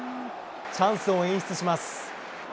チャンスを演出します。